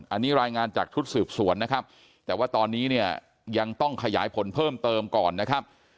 อันนี้รายงานจากชุดสืบสวนนะครับแต่ว่าตอนนี้เนี่ยยังต้องขยายผลเพิ่มเติมก่อนนะครับ